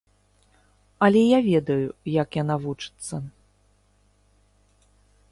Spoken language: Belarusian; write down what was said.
Але я ведаю, як яна вучыцца.